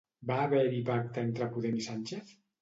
Va haver-hi pacte entre Podem i Sánchez?